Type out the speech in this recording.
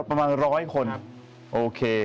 ก็ประมาณ๑๐๐คนโอเค